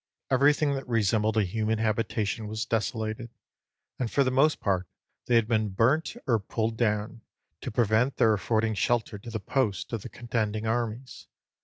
Everything that resembled a human habitation was desolated, and for the most part they had been burnt or pulled down, to prevent their affording shelter to the posts of the contending armies.